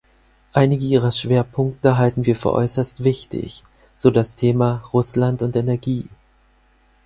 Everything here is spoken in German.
Einige Ihrer Schwerpunkte halten wir für äußerst wichtig, so das Thema Russland und Energie.